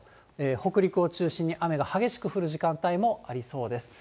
北陸を中心に雨が激しく降る時間帯もありそうです。